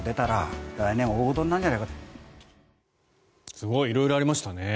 すごい。色々ありましたね。